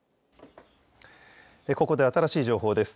ここで新しい情報です。